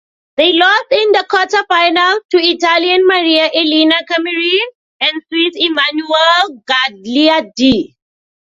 They lost in the quarterfinals to Italian Maria Elena Camerin and Swiss Emmanuelle Gagliardi.